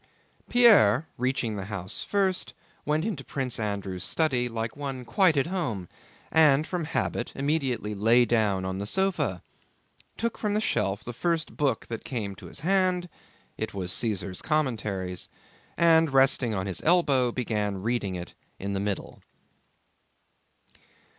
Pierre reaching the house first went into Prince Andrew's study like one quite at home, and from habit immediately lay down on the sofa, took from the shelf the first book that came to his hand (it was Caesar's Commentaries), and resting on his elbow, began reading it in the middle.